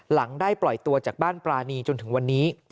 ได้ปล่อยตัวจากบ้านปรานีจนถึงวันนี้